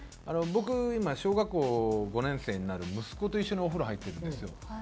僕今小学校５年生になる息子と一緒にお風呂入ってるんですよ。